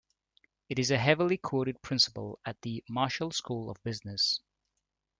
It is a heavily quoted principle at the Marshall School of Business.